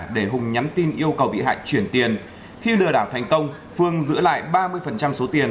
để hùng nhắn tin yêu cầu bị hại chuyển tiền khi lừa đảo thành công phương giữ lại ba mươi số tiền